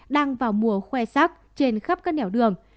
đang vào mùa khoe sắc trên khắp các nẻo đường